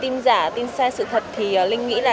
tin giả tin sai sự thật thì linh nghĩ là